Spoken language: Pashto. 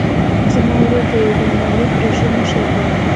زما ورور د یوې بین المللي پروژې مشر ده